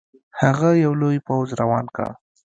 هغه یو لوی پوځ روان کړ.